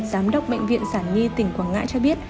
giám đốc bệnh viện sản nhi tỉnh quảng ngãi cho biết